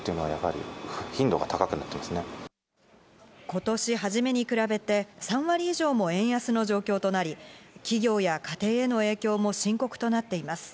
今年初めに比べて３割以上も円安の状況となり、企業や家庭への影響も深刻となっています。